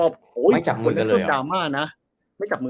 ไม่จับมือกันเลยหรอ